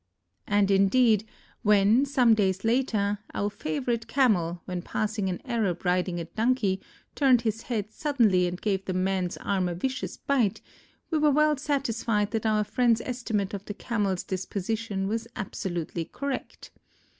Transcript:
And, indeed, when, some days later, our favorite Camel, when passing an Arab riding a donkey, turned his head suddenly and gave the man's arm a vicious bite, we were well satisfied that our friend's estimate of the Camel's disposition was absolutely correct.